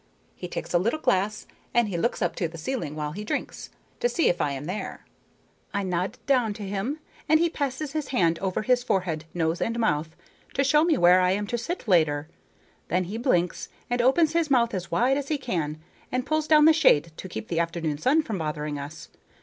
He takes a little glass, and he looks up to the ceiling while he drinks, to see if I am there. I nod down to him, and he passes his hand over his forehead, nose and mouth to show me where I am to sit later on. Then he blinks, and opens his mouth as wide as he can, and pulls down the shade to keep the afternoon sun from bothering us.